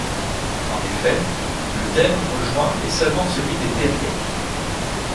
En effet, le dème rejoint est seulement celui des Périèques.